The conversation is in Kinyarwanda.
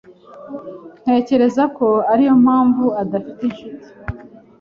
Ntekereza ko ariyo mpamvu adafite inshuti.